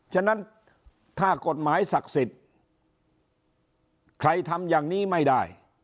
ฉะนั้นถ้ากฎหมายศักดิ์สิทธิ์ใครทำอย่างนี้ไม่ได้